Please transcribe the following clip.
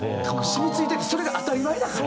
染み付いててそれが当たり前だから。